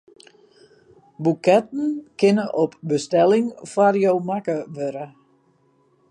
Boeketten kinne op bestelling foar jo makke wurde.